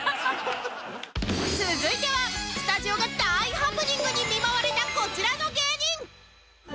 続いてはスタジオが大ハプニングに見舞われたこちらの芸人！